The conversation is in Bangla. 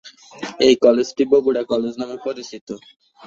এই কলেজটি "বগুড়া কলেজ" নামে পরিচিত।